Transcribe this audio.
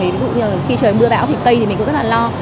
ví dụ như khi trời mưa bão thì cây thì mình cũng rất là lo